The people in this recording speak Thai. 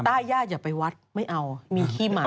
ต้ายหญ้าอย่าไปวัดไม่เอามีขี้หมา